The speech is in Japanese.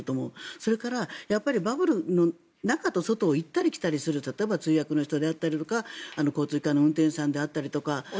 それから、バブルの中と外を行ったり来たりする例えば通訳の人だったりとか交通機関の運転手だったりとか。